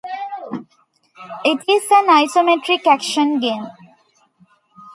It is an isometric action game.